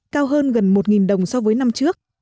cao hơn gần một đồng so với năm trước